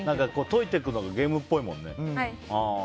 解いていくのがゲームっぽいもんね。